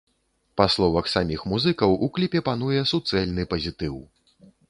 Па словах саміх музыкаў, у кліпе пануе суцэльны пазітыў.